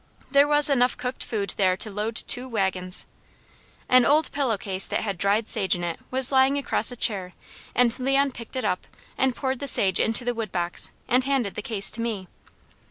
There was enough cooked food there to load two wagons. An old pillow case that had dried sage in it was lying across a chair and Leon picked it up and poured the sage into the wood box, and handed the case to me.